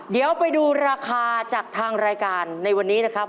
เดี๋ยวไปดูราคาจากทางรายการในวันนี้นะครับ